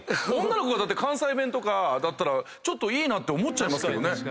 女の子が関西弁とかだったらちょっといいなって思っちゃいますけどね。